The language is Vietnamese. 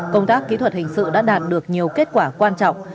công tác kỹ thuật hình sự đã đạt được nhiều kết quả quan trọng